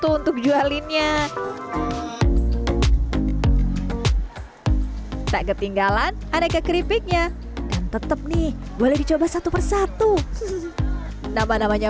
tuh untuk jualinnya tak ketinggalan aneka keripiknya tetep nih boleh dicoba satu persatu nama namanya